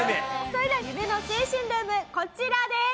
それでは夢の青春ルームこちらです！